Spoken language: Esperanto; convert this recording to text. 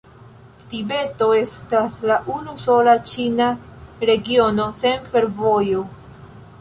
Tibeto estas la unusola ĉina regiono sen fervojo.